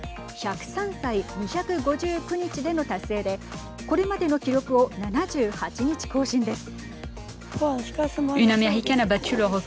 １０３歳２５９日での達成でこれまでの記録を７８日更新です。